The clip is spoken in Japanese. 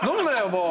もう。